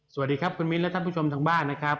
สวัสดีครับคุณมิ้นและท่านผู้ชมทางบ้านนะครับ